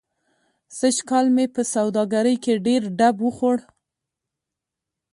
سږ کال مې په سوادګرۍ کې ډېر ډب و خوړ.